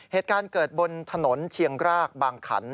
เหตุการณ์เกิดบนถนนเชียงรากบางขัน